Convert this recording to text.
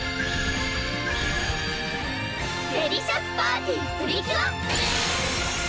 デリシャスパーティプリキュア！